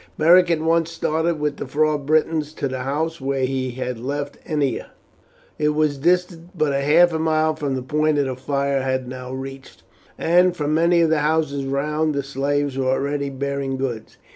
Beric at once started with the four Britons to the house where he had left Ennia. It was distant but half a mile from the point the fire had now reached, and from many of the houses round the slaves were already bearing goods.